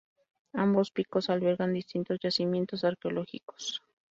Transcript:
Ambos picos albergan distintos yacimientos arqueológicos.